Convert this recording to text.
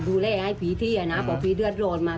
เสร็จป๊ับคุณผู้ชมฮะ